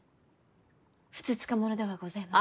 ふつつか者ではございますが。